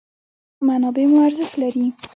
منابع مو ارزښت لري.